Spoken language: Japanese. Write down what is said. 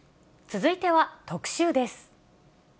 続いては特集です。